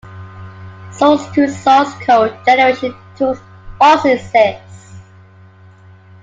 Source-to-source code generation tools also exist.